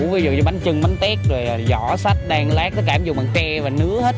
ví dụ như bánh chưng bánh tét rồi giỏ sách đen lát tất cả em dùng bằng tre và nứa hết